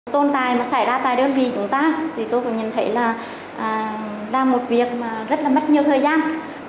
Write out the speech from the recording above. tôn tài mà xảy ra tại đơn vị chúng ta thì tôi cũng nhận thấy là là một việc mà rất là mất nhiều thời gian